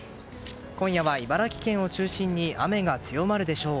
今夜は茨城県を中心に雨が強まるでしょう。